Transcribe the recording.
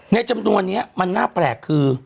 จำนวนนี้มันน่าแปลกคือ